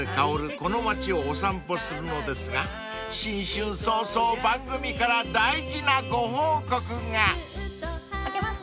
この町をお散歩するのですが新春早々番組から大事なご報告が］明けまして。